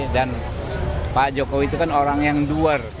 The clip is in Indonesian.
dan pak jokowi itu kan orang yang duar